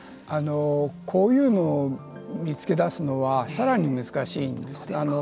こういうのを見つけだすのはさらに難しいんです。